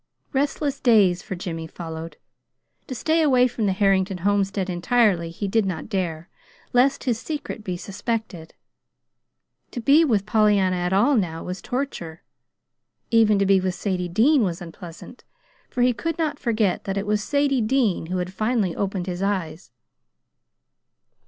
Restless days for Jimmy followed. To stay away from the Harrington homestead entirely he did not dare, lest his secret be suspected. To be with Pollyanna at all now was torture. Even to be with Sadie Dean was unpleasant, for he could not forget that it was Sadie Dean who had finally opened his eyes.